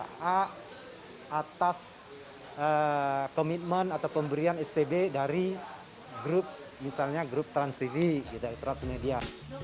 tangga a atas komitmen atau pemberian stb dari grup misalnya grup trans tv kita itu transmedia